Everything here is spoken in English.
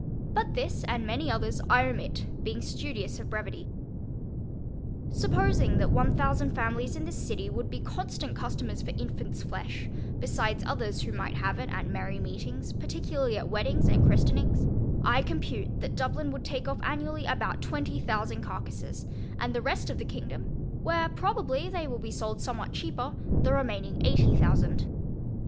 But this, and many others, I omit, being studious of brevity. Supposing that one thousand families in this city, would be constant customers for infants flesh, besides others who might have it at merry meetings, particularly at weddings and christenings, I compute that Dublin would take off annually about twenty thousand carcasses; and the rest of the kingdom (where probably they will be sold somewhat cheaper) the remaining eighty thousand.